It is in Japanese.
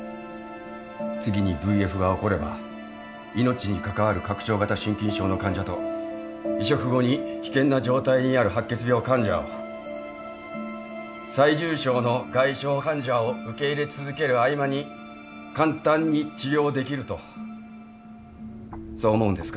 次にＶＦが起これば命に関わる拡張型心筋症の患者と移植後に危険な状態にある白血病患者を最重症の外傷患者を受け入れ続ける合間に簡単に治療できるとそう思うんですか？